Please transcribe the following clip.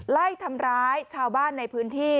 ไล่ทำร้ายชาวบ้านในพื้นที่